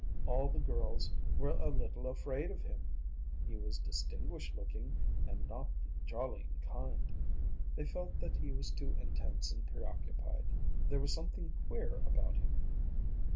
All the girls were a little afraid of him. He was distinguished looking, and not the jollying kind. They felt that he was too intense and preoccupied. There was something queer about him.